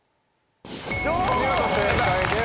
お見事正解です